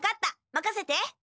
まかせて！